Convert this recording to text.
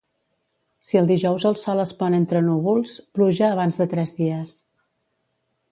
Si el dijous el sol es pon entre núvols, pluja abans de tres dies.